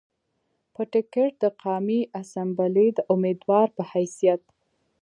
پۀ ټکټ د قامي اسمبلۍ د اميدوار پۀ حېثيت